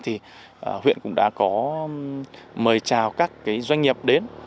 thì huyện cũng đã có mời chào các doanh nghiệp đến